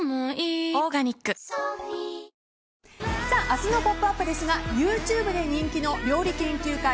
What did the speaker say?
明日の「ポップＵＰ！」ですがＹｏｕＴｕｂｅで人気の料理研究家